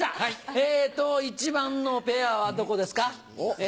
えと一番のペアはどこですか？